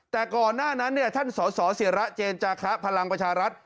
แต่ก่อนหน้านั้นท่านสสิระเจนจาคะพลังประชารัฐ